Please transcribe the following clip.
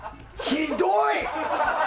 ひどい！